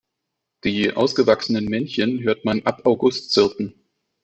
Die ausgewachsenen Männchen hört man ab August zirpen.